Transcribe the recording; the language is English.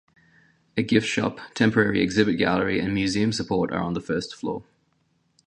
A gift shop, temporary exhibit gallery, and museum support are on the first floor.